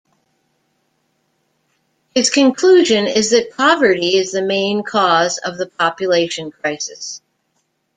His conclusion is that poverty is the main cause of the population crisis.